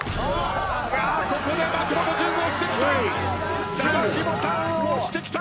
ここで松本潤押してきた！